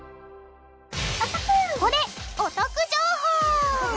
ここでお得情報！